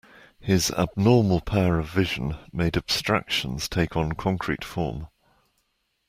His abnormal power of vision made abstractions take on concrete form.